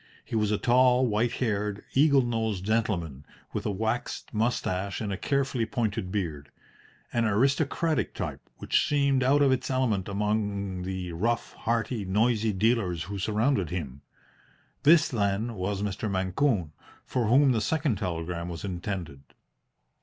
He was a tall, white haired, eagle nosed gentleman, with a waxed moustache and a carefully pointed beard an aristocratic type which seemed out of its element among the rough, hearty, noisy dealers who surrounded him. This, then, was Mr. Mancune, for whom the second telegram was intended.